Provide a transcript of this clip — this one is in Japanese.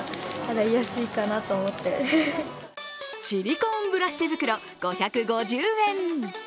シリコーンブラシ手袋５５０円。